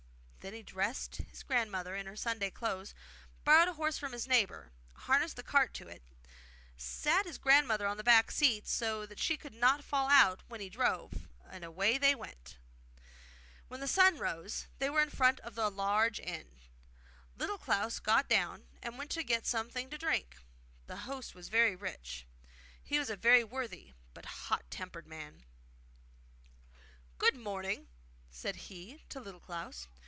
Then he dressed his grandmother in her Sunday clothes, borrowed a horse from his neighbour, harnessed the cart to it, sat his grandmother on the back seat so that she could not fall out when he drove, and away they went. When the sun rose they were in front of a large inn. Little Klaus got down, and went in to get something to drink. The host was very rich. He was a very worthy but hot tempered man. 'Good morning!' said he to Little Klaus.